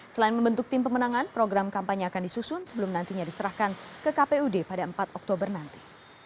selain membentuk tim pemenangan program kampanye akan disusun sebelum nantinya diserahkan ke kpud pada empat oktober nanti